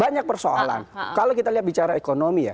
banyak persoalan kalau kita lihat bicara ekonomi ya